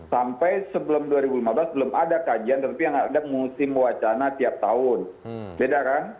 sampai sebelum dua ribu lima belas belum ada kajian tapi yang ada musim wacana tiap tahun beda kan